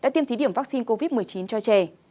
đã tiêm thí điểm vaccine covid một mươi chín cho trẻ